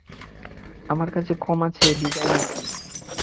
আমার কাছে ক্ষমা চেয়ে বিদায় নিবেন।